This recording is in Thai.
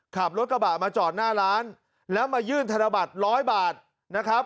ขับรถกระบะมาจอดหน้าร้านแล้วมายื่นธนบัตรร้อยบาทนะครับ